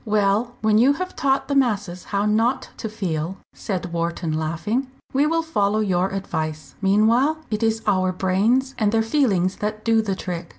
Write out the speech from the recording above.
"Well, when you have taught the masses how not to feel," said Wharton, laughing, "we will follow your advice. Meanwhile it is our brains and their feelings that do the trick.